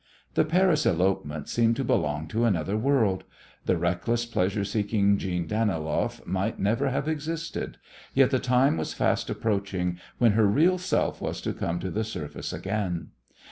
The Paris elopement seemed to belong to another world. The reckless pleasure seeking Jeanne Daniloff might never have existed, yet the time was fast approaching when her real self was to come to the surface again.